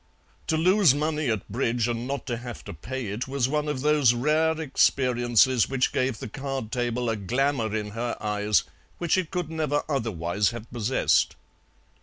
To lose money at bridge and not to have to pay it was one of those rare experiences which gave the card table a glamour in her eyes which it could never otherwise have possessed.